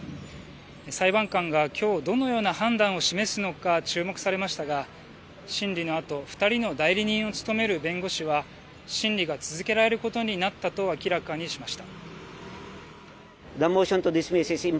裁判官がきょう、どのような判断を示すのか注目されましたが、審理のあと、２人の代理人を務める弁護士は、審理が続けられることになったと明らかにしました。